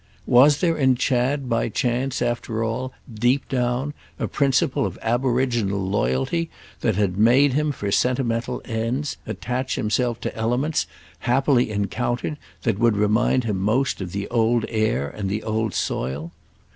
Was there in Chad, by chance, after all, deep down, a principle of aboriginal loyalty that had made him, for sentimental ends, attach himself to elements, happily encountered, that would remind him most of the old air and the old soil?